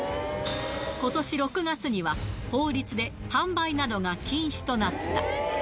ことし６月には、法律で販売などが禁止となった。